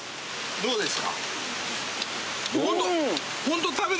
そうですか。